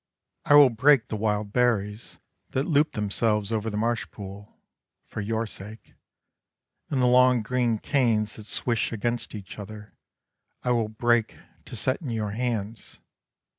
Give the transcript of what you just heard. I will break the wild berries that loop themselves over the marsh pool, For your sake, And the long green canes that swish against each other, I will break, to set in your hands.